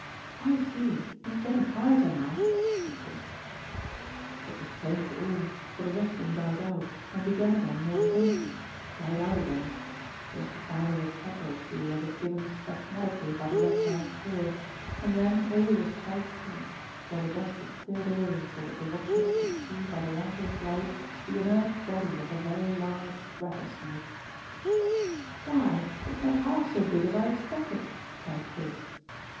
"I say, he's getting quieter now," said Chris. This was plain to all, for the rustling died out, began again more faintly, died out again, there was the sound of a pat or two as if given spasmodically by the reptile's tail, and then all was quite still, while the dust had cleared away so that the watchers could see by the lanthorn's light the inert body of a very large rattlesnake. "Why, it's not half so big as I expected," cried Chris.